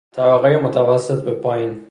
طبقهٔ متوسط به پایین